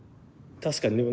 確かにね。